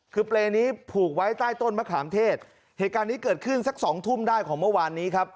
คือเปรย์นี้ผูกไว้ใต้ต้นมะขามเทศเหตุการณ์นี้เกิดขึ้นสักสองทุ่มได้ของเมื่อวานนี้ครับ